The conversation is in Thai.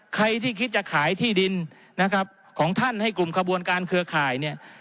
ใครที่คิดจะขายที่ดินนะครับของท่านให้กลุ่มขบวนการเครือข่ายเนี่ย